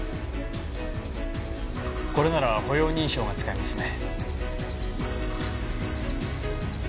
これなら歩容認証が使えますね。